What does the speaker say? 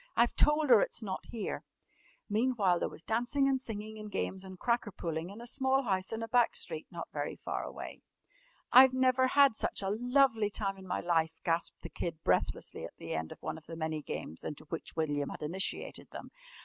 I've told her it's not here!" Meantime there was dancing, and singing, and games, and cracker pulling in a small house in a back street not very far away. "I've never had such a lovely time in my life," gasped the Kid breathlessly at the end of one of the many games into which William had initiated them.